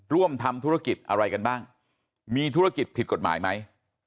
ร่วมทำธุรกิจอะไรกันบ้างมีธุรกิจผิดกฎหมายไหม